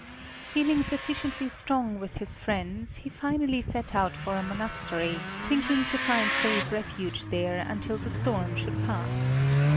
Feeling sufficiently strong with his friends, he finally set out for a monastery, thinking to find safe refuge there until the storm should pass.